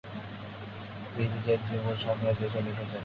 তিনি নিজের জীবন সম্পর্কে কিছু লিখে যাননি।